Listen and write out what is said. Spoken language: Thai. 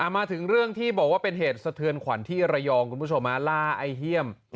มาถึงเรื่องที่บอกว่าเป็นเหตุสะเทือนขวัญที่ระยองคุณผู้ชมล่าไอเฮี่ยม